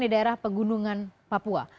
di daerah pegunungan papua